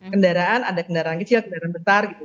kendaraan ada kendaraan kecil kendaraan besar gitu